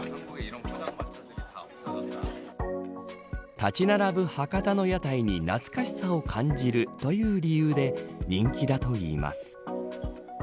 建ち並ぶ博多の屋台に懐かしさを感じるという理由で人気だといいます。